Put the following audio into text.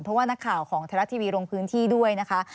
เพราะว่านักข่าวของไทยรัฐทีวีลงพื้นที่ด้วยนะคะ